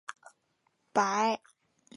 白颊山鹧鸪为雉科山鹧鸪属的鸟类。